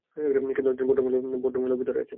কিন্তু একজন ভদ্রমহিলাও ভিতরে আছেন।